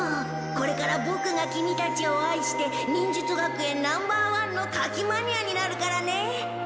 これからボクがキミたちを愛して忍術学園ナンバーワンの火器マニアになるからね。